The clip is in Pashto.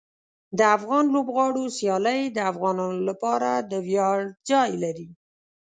د افغان لوبغاړو سیالۍ د افغانانو لپاره د ویاړ ځای لري.